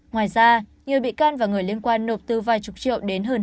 ngoài ra nhiều bị can và người liên quan nộp từ vài chục triệu đến hơn hai trăm linh triệu đồng